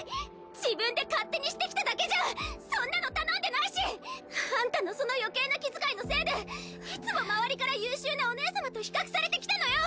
自分で勝手にしてきただけじゃんそんなの頼んでないし！あんたのその余計な気遣いのせいでいつも周りから優秀なお姉様と比較されてきたのよ